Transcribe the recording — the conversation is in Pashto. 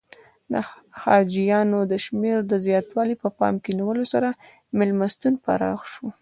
د حاجیانو د شمېر د زیاتوالي په پام کې نیولو سره میلمستون پراخ شو.